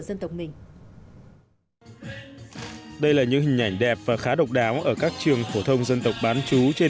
dân tộc mình đây là những hình ảnh đẹp và khá độc đáo ở các trường phổ thông dân tộc bán chú trên